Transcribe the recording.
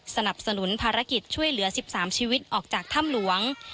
สนับสนุนภารกิจช่วยเหลือ๑๓ชีวิตออกจากถ้ำหลวง